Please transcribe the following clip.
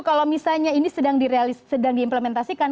kalau misalnya ini sedang diimplementasikan